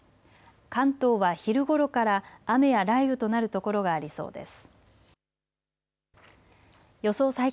関東は昼ごろから雨や雷雨となる所がありそうです。